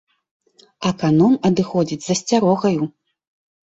Аканом адыходзіць з асцярогаю.